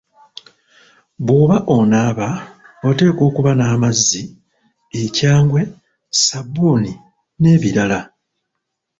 Bw'oba onaaba oteekwa okuba n'amazzi, ekyangwe, ssabbuni n'ebirala.